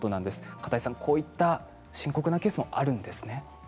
片井さん、こういった深刻なケースもあるんですね。